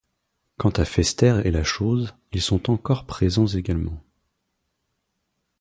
Quant à Fester et la chose, ils sont encore présents également.